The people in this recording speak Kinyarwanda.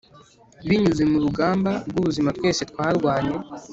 binyuze mu rugamba rwubuzima twese twarwanye